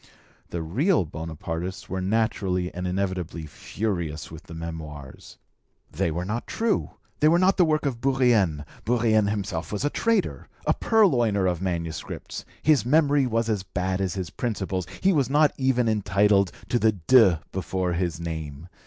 The real Bonapartists were naturally and inevitably furious with the Memoirs. They were not true, they were not the work of Bourrienne, Bourrienne himself was a traitor, a purloiner of manuscripts, his memory was as bad as his principles, he was not even entitled to the de before his name.